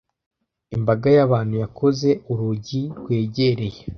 Imbaga y'abantu yakoze urugi rwegereye.